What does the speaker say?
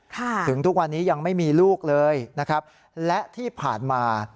ถึงทุกวันนี้ยังไม่มีลูกเลยนะครับและที่ผ่านมา